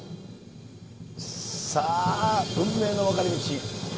さあ、運命の分かれ道。